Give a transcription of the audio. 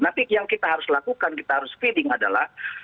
tapi yang kita harus lakukan kita harus feeding adalah